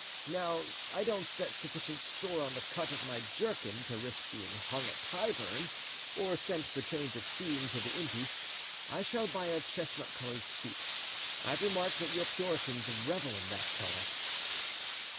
Now, I don't set sufficient store on the cut of my jerkin to risk being hung at Tyburn or sent for change of scene to the Indies. I shall buy a chestnut colored suit. I've remarked that your Puritans revel in that color."